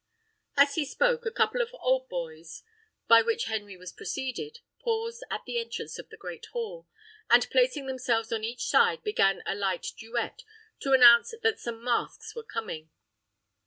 As he spoke, a couple of hautboys, by which Henry was preceded, paused at the entrance of the great hall, and placing themselves on each side, began a light duet, to announce that some masks were coming.